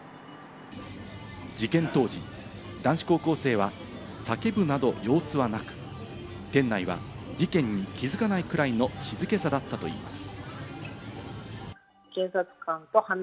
事件当時、男子高校生は叫ぶなど様子はなく、店内は事件に気づかないくらいの静けさだったといいます。